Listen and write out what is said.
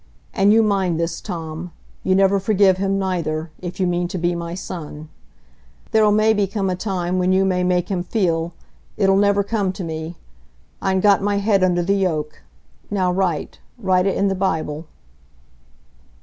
And you mind this, Tom,—you never forgive him neither, if you mean to be my son. There'll maybe come a time when you may make him feel; it'll never come to me; I'n got my head under the yoke. Now write—write it i' the Bible."